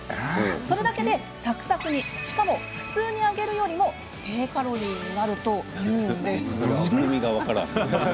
それだけで、サクサクにしかも普通に揚げるより低カロリーになるというんです。